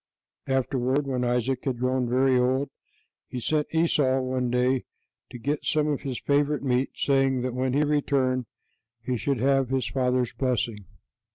Afterward, when Isaac had grown very old, he sent Esau one day to get some of his favorite meat, saying that when he returned he should have his father's blessing.